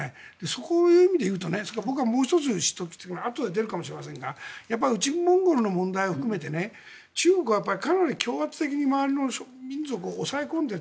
そういう意味でいうと僕がもう１つ言っておきたいのはあとで出るかもしれませんが内モンゴルの問題を含めて中国はかなり強圧的に周りの民族を抑え込んでいる。